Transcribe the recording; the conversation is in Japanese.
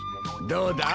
どうだ？